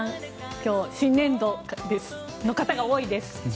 今日は新年度の方が多いです。